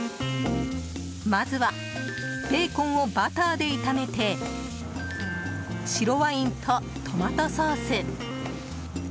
まずはベーコンをバターで炒めて白ワインとトマトソース